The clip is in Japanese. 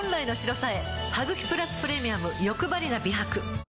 「ハグキプラスプレミアムよくばりな美白」